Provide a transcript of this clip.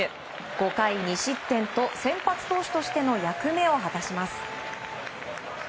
５回２失点と先発投手としての役目を果たします。